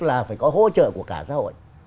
là phải có hỗ trợ của cả xã hội